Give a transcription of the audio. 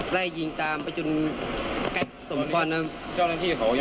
ไล่ยิงตามไปจนใกล้สมควรนะครับ